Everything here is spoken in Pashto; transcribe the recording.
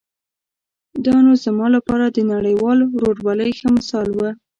دا نو زما لپاره د نړیوال ورورولۍ ښه مثال و.